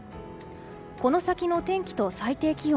この先の天気と最低気温。